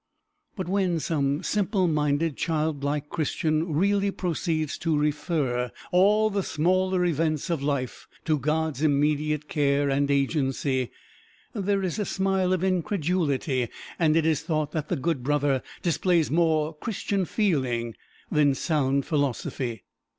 But when some simple minded, childlike Christian really proceeds to refer all the smaller events of life to God's immediate care and agency, there is a smile of incredulity, and it is thought that the good brother displays more Christian feeling than sound philosophy.